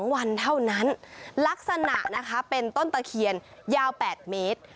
๒วันเท่านั้นลักษณะนะคะเป็นต้นตะเคียนยาว๘เมตร